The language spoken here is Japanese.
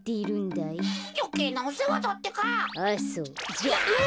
じゃあ。